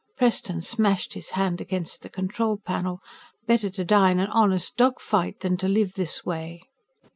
Preston smashed his hand against the control panel. Better to die in an honest dogfight than to live this way!